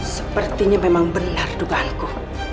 sepertinya memang benar dugaanku